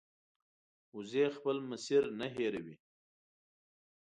وزې خپل مسیر نه هېروي